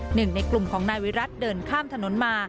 หนึ่งในกลุ่มของนายวิรัติเดินข้ามถนนมา